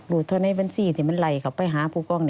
รู้เท่านั้นบัญชีที่มันไหลเขาไปหาผู้กล้องหน่อย